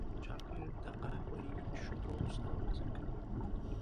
چاکلېټ د قهوې شیدو سره مزه کوي.